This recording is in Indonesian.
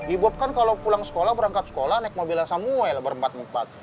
ibob kan kalau pulang sekolah berangkat sekolah naik mobilnya samuel berempat rempat